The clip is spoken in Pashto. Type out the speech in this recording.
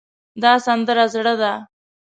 دا سندره زړه ده